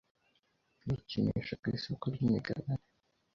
yikinisha ku isoko ryimigabane.